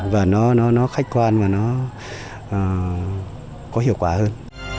và nó khách quan và nó có hiệu quả hơn